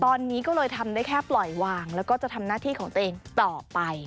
ตอนนี้ก็เลยทำได้แค่ปล่อยวางแล้วก็จะทำหน้าที่ของตัวเองต่อไป